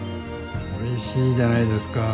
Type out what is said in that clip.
おいしいじゃないですか。